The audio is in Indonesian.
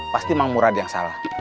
pasti mang murad yang salah